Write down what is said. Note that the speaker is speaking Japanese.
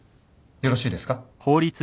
よろしいですか？